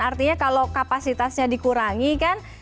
artinya kalau kapasitasnya dikurangi kan